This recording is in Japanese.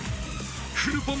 フルポン